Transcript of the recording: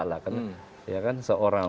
ya kan seorang